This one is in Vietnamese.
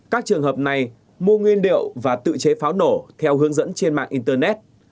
các trường hợp này mua nguyên liệu và tự chế pháo nổ theo hướng dẫn trên mạng internet